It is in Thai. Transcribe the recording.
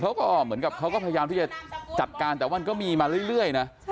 เขาก็เหมือนกับเขาก็พยายามที่จะจัดการแต่มันก็มีมาเรื่อยนะ